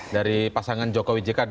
dari pasangan jokowi jk dua ribu empat belas